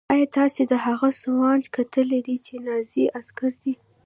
ایا تاسې د هغه سوانح کتلې دي چې نازي عسکر دی